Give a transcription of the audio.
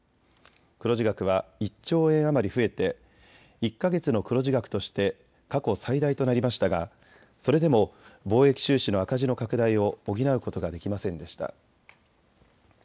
黒字額は１兆円余り増えて１か月の黒字額として過去最大となりましたがそれでも貿易収支の赤字の拡大を補うことができませんでした。